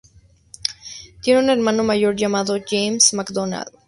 Tiene un hermano mayor llamado, James McDonald.